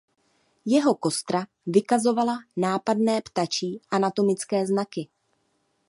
Jeho kostra vykazovala nápadné "ptačí" anatomické znaky.